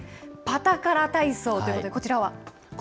パタカラ体操ということで、こちらは。